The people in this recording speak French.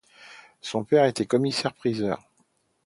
Son père est commissaire-priseur.